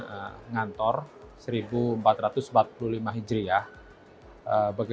mengadakan kegiatan ramadhan ngantor seribu empat ratus empat puluh lima hijri